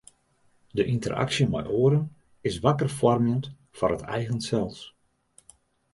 De ynteraksje mei oaren is wakker foarmjend foar it eigen sels.